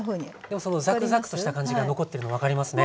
でもそのザクザクとした感じが残っているの分かりますね。